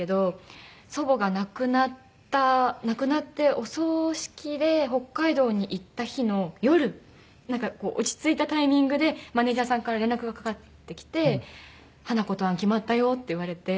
祖母が亡くなった亡くなってお葬式で北海道に行った日の夜なんかこう落ち着いたタイミングでマネジャーさんから連絡がかかってきて「『花子とアン』決まったよ」って言われて。